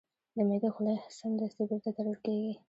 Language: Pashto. د معدې خوله سمدستي بیرته تړل کېږي.